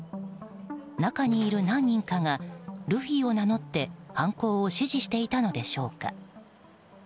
中にいる何人かがルフィを名乗って犯行を指示していたのでしょうか。